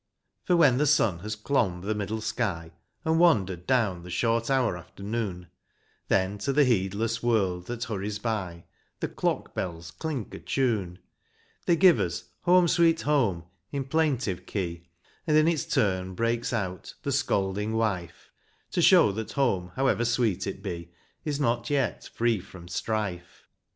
For when the sun has clomb the middle sky. And wandered down the short hour after noon, Then to the heedless world that hurries by The clock bells clink a tune. They give us "Home, Sweet Home," in plaintive key. And in its turn breaks out "The Scolding Wife," To show that home, however sweet it be. Is yet not free from strife.